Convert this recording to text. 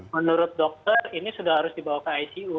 menurut dokter ini sudah harus dibawa ke icu